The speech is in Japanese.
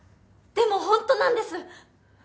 でもホントなんです。